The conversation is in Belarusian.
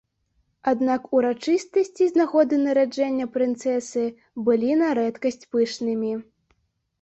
Аднак урачыстасці з нагоды нараджэння прынцэсы былі на рэдкасць пышнымі.